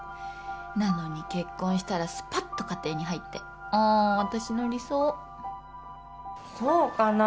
なのに結婚したらスパッと家庭に入ってあ私の理想そうかな